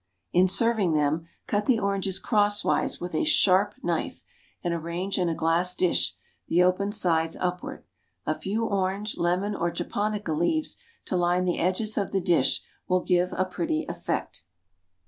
In serving them, cut the oranges cross wise with a sharp knife and arrange in a glass dish, the open sides upward. A few orange, lemon, or japonica leaves to line the edges of the dish, will give a pretty effect.